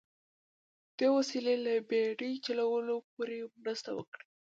دې وسیلې له بیړۍ چلولو سره پوره مرسته وکړه.